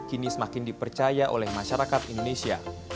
kini semakin dipercaya oleh masyarakat indonesia